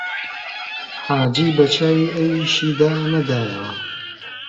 حاجی بە چاوی ئەویشیدا نەدایەوە